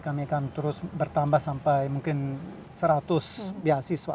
kami akan terus bertambah sampai mungkin seratus beasiswa